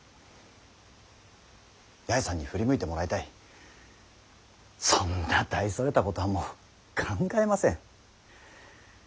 八重さんに振り向いてもらいたいそんな大それたことはもう考えません。